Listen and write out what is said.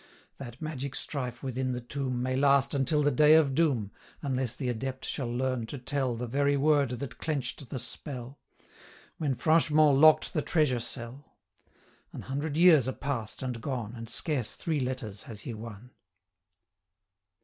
That magic strife within the tomb May last until the day of doom, Unless the Adept shall learn to tell The very word that clench'd the spell, 200 When Franch'mont lock'd the treasure cell. An hundred years are pass'd and gone, And scarce three letters has he won.